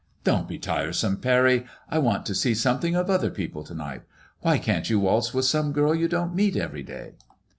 '' Don't be tiresome, Pany ; I want to see something of other people to night. Why can't you waltz with some girl you don't meet every day